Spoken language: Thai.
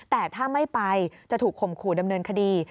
แต่ถ้าไม่ไปจะถูกข่มขู่ดำเนินคดี